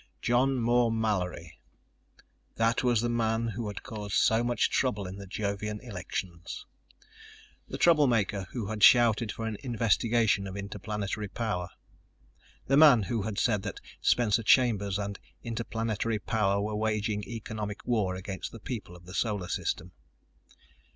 John Moore Mallory. That was the man who had caused so much trouble in the Jovian elections. The troublemaker who had shouted for an investigation of Interplanetary Power. The man who had said that Spencer Chambers and Interplanetary Power were waging economic war against the people of the Solar System.